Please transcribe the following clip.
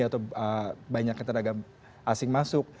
atau banyaknya tenaga asing masuk